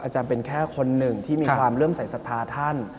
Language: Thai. อาจารย์เป็นแค่คนหนึ่งที่มีความเริ่มใส่ศรัทธาท่าน